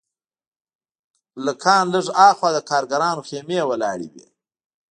له کان لږ هاخوا د کارګرانو خیمې ولاړې وې